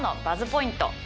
ポイント